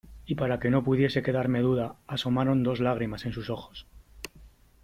y para que no pudiese quedarme duda , asomaron dos lágrimas en sus ojos .